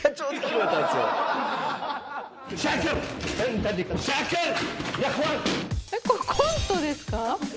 これ、コントですか？